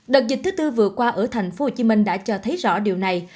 đợt dịch thứ tư vừa qua ở tp hcm đã cho thấy rõ điều này